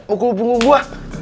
aku punggung gua